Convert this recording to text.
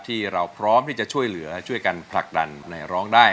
ที่เราพร้อมที่จะช่วยเหลือช่วยกันผลักดันในร้องได้